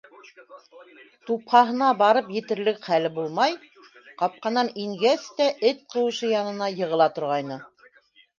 Тупһаһына барып етерлек хәле булмай, ҡапҡанан ингәс тә эт ҡыуышы янына йығыла торғайны.